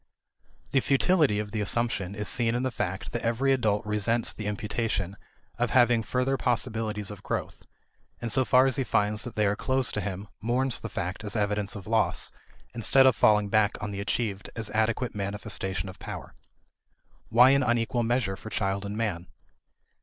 The futility of the assumption is seen in the fact that every adult resents the imputation of having no further possibilities of growth; and so far as he finds that they are closed to him mourns the fact as evidence of loss, instead of falling back on the achieved as adequate manifestation of power. Why an unequal measure for child and man?